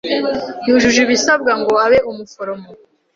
Yujuje ibisabwa ngo abe umuforomo.